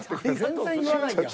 全然言わないやん。